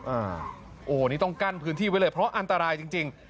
อันนี้ต้องกั้นพื้นที่ไว้เลยเพราะอันตรายจริงจริง